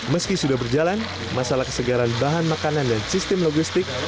meski sudah berjalan masalah kesegaran bahan makanan dan sistem logistik